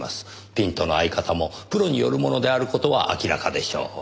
ピントの合い方もプロによるものである事は明らかでしょう。